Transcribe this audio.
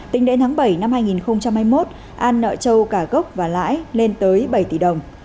tính đến tháng bảy năm hai nghìn hai mươi một an nợ trâu cả gốc và lãi lên tới bảy tỷ đồng